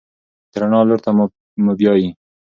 د رڼا لور ته مو بیايي.